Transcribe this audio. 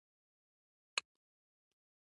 د استاد پلار مرحوم ميرزا رمضان سوداګر و.